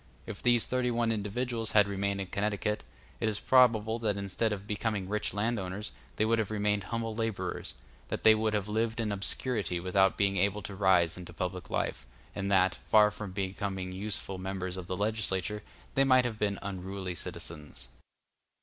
If these thirty one individuals had remained in Connecticut, it is probable that instead of becoming rich landowners they would have remained humble laborers, that they would have lived in obscurity without being able to rise into public life, and that, far from becoming useful members of the legislature, they might have been unruly citizens.